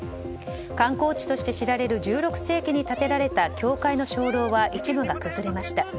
観光地として知られる１６世紀に建てられた教会の鐘楼は一部が崩れました。